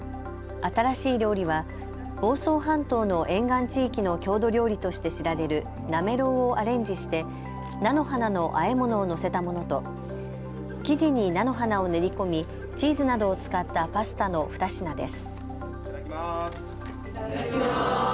新しい料理は房総半島の沿岸地域の郷土料理として知られるなめろうをアレンジして菜の花のあえ物を載せたものと生地に菜の花を練り込みチーズなどを使ったパスタの２品です。